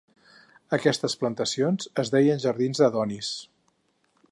Aquestes plantacions es deien jardins d'Adonis.